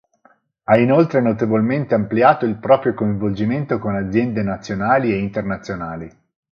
Ha inoltre notevolmente ampliato il proprio coinvolgimento con aziende nazionali e internazionali.